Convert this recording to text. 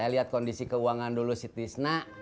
saya lihat kondisi keuangan dulu si tisna